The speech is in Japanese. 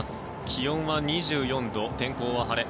気温は２４度、天候は晴れ。